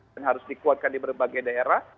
harus dikuatkan di berbagai daerah